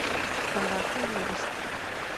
خپلواکۍ وروسته